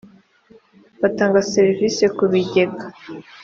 batanga serivisi ku bigega